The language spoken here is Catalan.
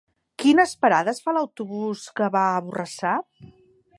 Quines parades fa l'autobús que va a Borrassà?